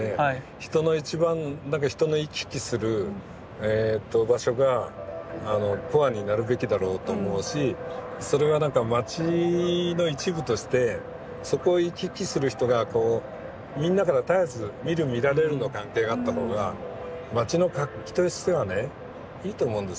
人の一番人の行き来する場所がコアになるべきだろうと思うしそれはなんか街の一部としてそこを行き来する人がみんなから絶えず見る見られるの関係があった方が街の活気としてはねいいと思うんですよ。